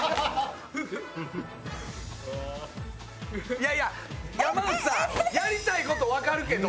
いやいや山内さんやりたい事わかるけど。